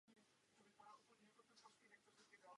Její budova je chráněna jako kulturní památka České republiky.